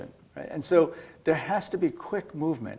jadi harus ada pergerakan cepat